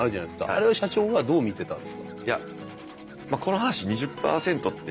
あれは社長はどう見てたんですか？